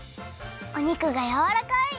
お肉がやわらかい！